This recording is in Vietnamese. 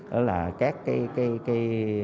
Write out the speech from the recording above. đó là các cái